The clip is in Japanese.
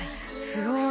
すごい。